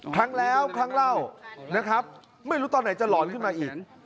ครั้งแล้วครั้งเล่านะครับไม่รู้ตอนไหนจะหลอนขึ้นมาอีก